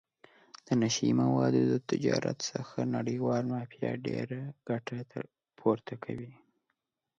د نشه یي موادو د تجارت څخه نړیواله مافیا ډېره ګټه پورته کوي.